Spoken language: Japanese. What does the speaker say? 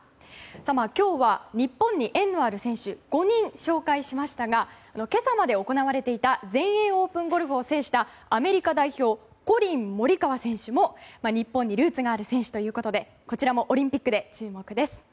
今日は日本に縁のある選手５人紹介しましたが今朝まで行われていた全英オープンゴルフを制したアメリカ代表コリン・モリカワ選手も日本にルーツがある選手ということでこちらもオリンピックで注目です。